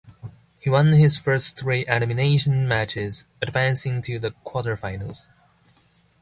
He won his first three elimination matches, advancing to the quarterfinals.